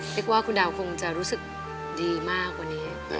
กว่าคุณดาวคงจะรู้สึกดีมากกว่านี้